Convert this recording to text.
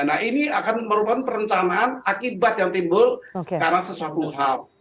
nah ini akan merupakan perencanaan akibat yang timbul karena sesuatu hal